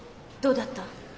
どうだった？